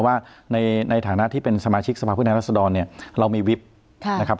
ว่าในฐานะที่เป็นสมาชิกสภาพผู้แทนรัศดรเนี่ยเรามีวิบนะครับ